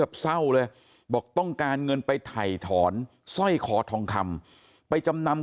เศร้าเลยบอกต้องการเงินไปถ่ายถอนสร้อยคอทองคำไปจำนำ